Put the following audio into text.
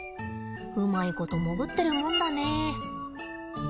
うまいこと潜ってるもんだね。